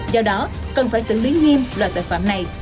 do đó cần phải xử lý nghiêm loại tội phạm này